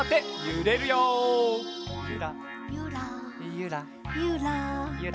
ゆら。